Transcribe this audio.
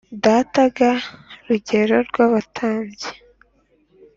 data ga rugero rwabatambyi